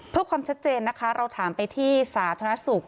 เพื่อความชัดเจนนะคะเราถามไปที่สาธารณสุข